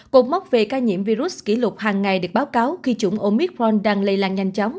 cuộc móc về ca nhiễm virus kỷ lục hàng ngày được báo cáo khi chủng omicron đang lây lan nhanh chóng